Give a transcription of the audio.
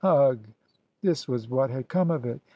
Ugh! this was what had come of it!